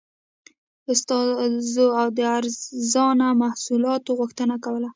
استازو د ارزانه محصولاتو غوښتنه کوله.